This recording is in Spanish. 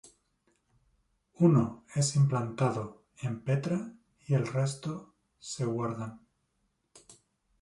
Uno es implantado en petra y el resto se guardan.